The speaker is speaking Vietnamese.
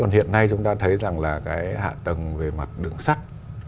hiện nay chúng ta thấy hạ tầng về mặt đường sắt